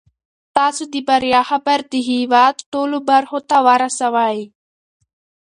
تاسو د بریا خبر د هیواد ټولو برخو ته ورسوئ.